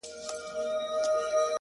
د زړه بوټى مي دی شناخته د قبرونو _